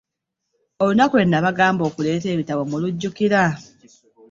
Olunaku lwe nnabagamba okuleeta ebitabo mulujjukira?